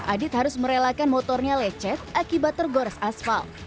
adit harus merelakan motornya lecet akibat tergores asfal